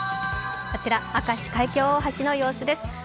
こちら、明石海峡大橋の様子です。